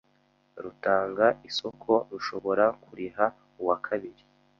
rutanga isoko rushobora kuriha uwa kabiri